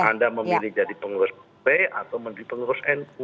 anda memilih jadi pengurus p atau menjadi pengurus nu